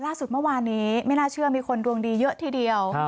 ล่าสุดเมื่อวานนี้ไม่น่าเชื่อมีคนดวงดีเยอะทีเดียว